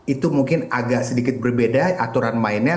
itu mungkin agak sedikit berbeda aturan mainnya